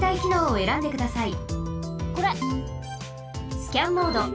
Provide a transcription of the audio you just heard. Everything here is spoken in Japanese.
スキャンモード。